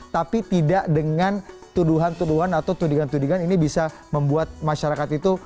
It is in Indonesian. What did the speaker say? tapi tidak dengan tuduhan tuduhan atau tudingan tudingan ini bisa membuat masyarakat itu